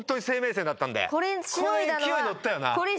これ勢いに乗ったよな！